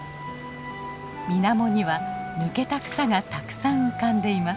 みなもには抜けた草がたくさん浮かんでいます。